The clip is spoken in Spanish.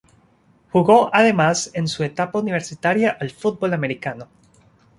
Jugó además en su etapa universitaria al fútbol americano.